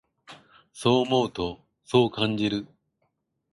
そう思うと、そう感じる。